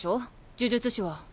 呪術師は。